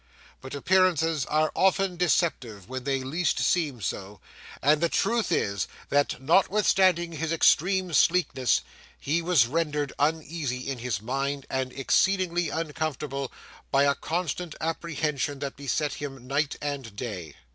But appearances are often deceptive when they least seem so, and the truth is that, notwithstanding his extreme sleekness, he was rendered uneasy in his mind and exceedingly uncomfortable by a constant apprehension that beset him night and day.